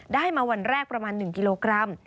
ได้มาวันแรกประมาณ๑กิโลกรัม